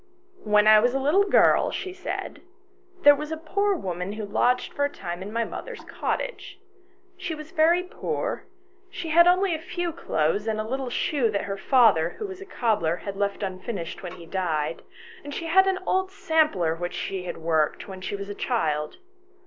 " When I was a little girl," she said, " there was a poor woman who lodged for a time in my mother's cottage. She was very poor ; she had only a few clothes and a little shoe that her father, who was a cobbler, had left unfinished when he died, and she had an old sampler which she had worked when she was a child.